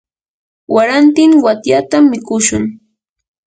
warantin watyatam mikushun.